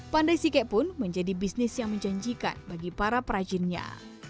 pandai sike pun menjadi bisnis yang menjanjikan bagi para perajinnya